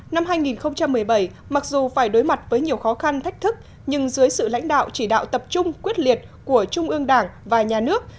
năm hai nghìn một mươi bảy mặc dù phải đối mặt với nhiều khó khăn thách thức nhưng dưới sự lãnh đạo chỉ đạo tập trung quyết liệt của trung ương đảng và nhà nước